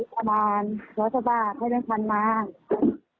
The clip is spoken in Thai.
ค่ะซื้อประมาณ๑๐๐บาทให้เป็นพันมาก